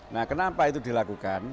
nah kenapa itu dilakukan